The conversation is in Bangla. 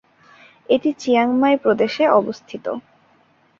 এটি চিয়াং মাই প্রদেশে অবস্থিত।